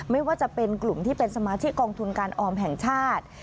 ไม่ว่าจะเป็นกลุ่มที่เป็นสมาธิกองทุนการออมแห่งชาติ